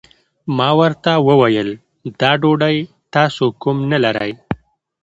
ما ورته وويل دا ډوډۍ تاسو کوم نه لرئ؟